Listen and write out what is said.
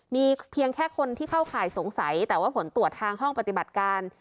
มีเพียงแค่คนที่เข้าข่ายสงสัยแต่ว่าผลตรวจทางห้องปฏิบัติการ